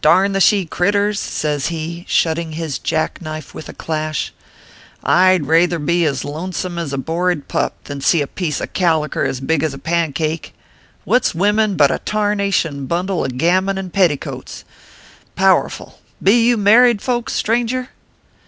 Darn the she critters !" says he, shutting his jack knife with a clash. " I d rayther be as lonesome as a borryed pup, than see a piece of caliker as big as a pancake. What s wimmen but a tarnation bundle of gammon and petticoats. Powerful ! Be you married folks, stranger